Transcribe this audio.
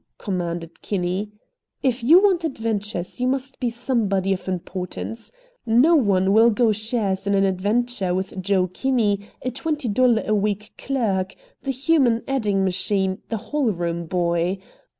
commanded Kinney. "If you want adventures you must be somebody of importance. No one will go shares in an adventure with Joe Kinney, a twenty dollar a week clerk, the human adding machine, the hall room boy.